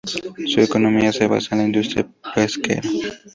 Su economía se basa en la industria pesquera.